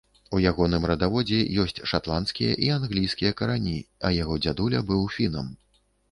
У ягоным радаводзе ёсць шатландскія і англійскія карані, а яго дзядуля быў фінам.